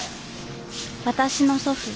私の祖父